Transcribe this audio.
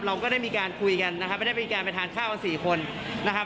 เราก็ได้มีการคุยกันนะครับไม่ได้มีการไปทานข้าวกันสี่คนนะครับ